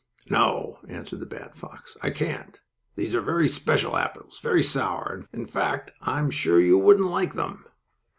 "No," answered the bad fox, "I can't. These are very special apples, very sour, in fact, and I'm sure you wouldn't like them."